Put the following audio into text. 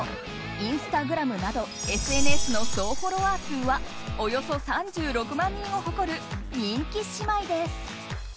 インスタグラムなどＳＮＳの総フォロワー数はおよそ３６万人を誇る人気姉妹です。